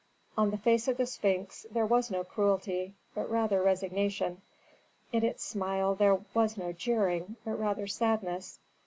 On the face of the Sphinx, there was no cruelty, but rather resignation. In its smile there was no jeering, but rather sadness.